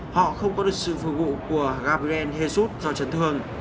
họ không có được sự phương vụ của gabriel jesus do trận thương